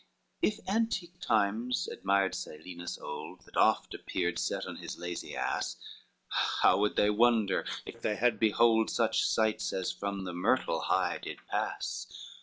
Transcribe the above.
XXX If antique times admired Silenus old That oft appeared set on his lazy ass, How would they wonder if they had behold Such sights as from the myrtle high did pass?